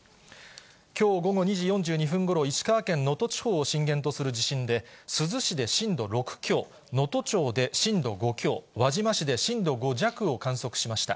きょう午後２時４２分ごろ、石川県能登地方を震源とする地震で、珠洲市で震度６強、能登町で震度５強、輪島市で震度５弱を観測しました。